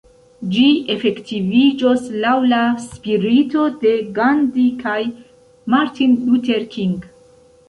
Ĝi efektiviĝos laŭ la spirito de Gandhi kaj Martin Luther King.